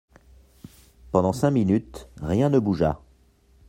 Pendant cinq minutes, rien ne bougea.